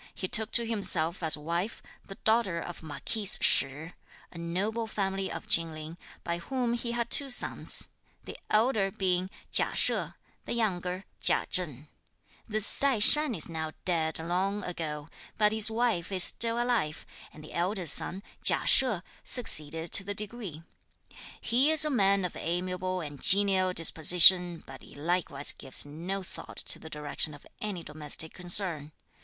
He took to himself as wife, the daughter of Marquis Shih, a noble family of Chin Ling, by whom he had two sons; the elder being Chia She, the younger Chia Cheng. This Tai Shan is now dead long ago; but his wife is still alive, and the elder son, Chia She, succeeded to the degree. He is a man of amiable and genial disposition, but he likewise gives no thought to the direction of any domestic concern.